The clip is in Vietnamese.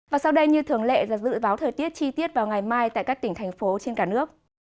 và sau đây như thường lệ là dự báo thời tiết chi tiết vào ngày mai tại các tỉnh thành phố trên cả nước